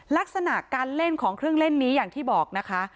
ลักษณะการเล่นของเครื่องเล่นนี้อย่างที่บอกนะคะ